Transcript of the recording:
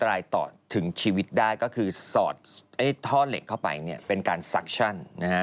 รายต่อถึงชีวิตได้ก็คือสอดท่อเหล็กเข้าไปเป็นการซักชั่น